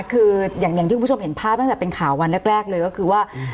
คืออย่างที่คุณผู้ชมเห็นภาพตั้งแต่เป็นข่าววันแรกเลยก็คือว่า